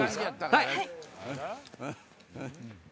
はい。